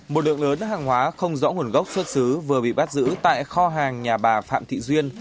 một lượng lớn hàng hóa không rõ nguồn gốc xuất xứ vừa bị bắt giữ tại kho hàng nhà bà phạm thị duyên